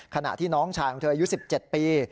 ขณะที่น้องชายของเธออายุ๑๗ปี